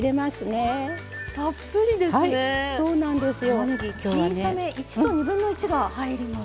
たまねぎ小さめ１と２分の１が入ります。